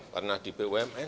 pernah di bumn